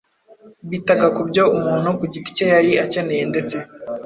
Bitaga ku byo umuntu ku giti cye yari akeneye ndetse